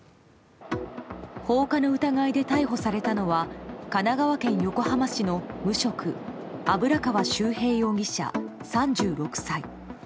放火の疑いで逮捕されたのは神奈川県横浜市の無職油川秀平容疑者、３６歳。